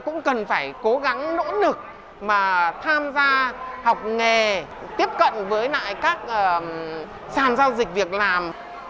cũng cần phải cố gắng nỗ lực mà tham gia học nghề tiếp cận với lại các sàn giao dịch việc làm